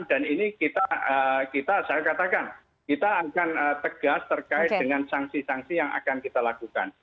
dan ini kita saya katakan kita akan tegas terkait dengan sanksi sanksi yang akan kita lakukan